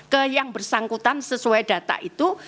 ke yang bersangkutan sesuai data itu